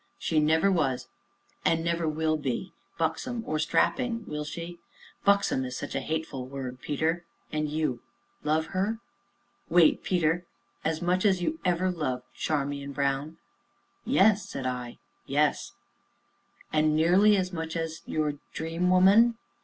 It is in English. "She never was and never will be buxom, or strapping will she? 'buxom' is such a hateful word, Peter! And you love her? wait, Peter as much as ever you loved Charmian Brown?" "Yes," said I; "yes " "And nearly as much as your dream woman?"